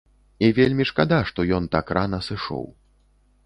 І вельмі шкада, што ён так рана сышоў.